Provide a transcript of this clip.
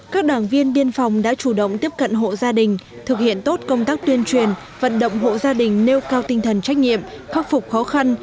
các đảng viên biên phòng đã chủ động tiếp cận hộ gia đình thực hiện tốt công tác tuyên truyền vận động hộ gia đình nêu cao tinh thần trách nhiệm khắc phục khó khăn